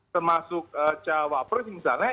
termasuk cawapro misalnya